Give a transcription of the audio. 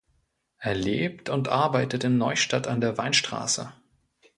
Er lebt und arbeitet in Neustadt an der Weinstraße.